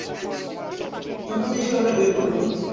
যখনি সে ওটা বের করল।